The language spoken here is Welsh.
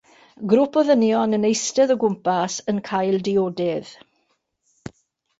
Grŵp o ddynion yn eistedd o gwmpas yn cael diodydd.